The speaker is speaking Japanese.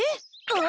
あ！